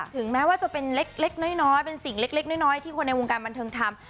ถึงแม้ว่าจะเป็นสิ่งเล็กน้อยที่คนในวงการบันเทิงทำ